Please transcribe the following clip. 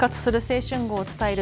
復活する青春号を伝える